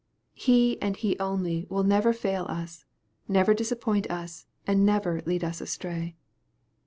He and He only will never fail us, never dis appoint us, and never lead us astray.